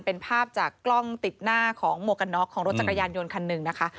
เป็นภาพจากกล้องติดหน้าของหมวกกันน็อกของรถจักรยานยนต์คันหนึ่งนะคะ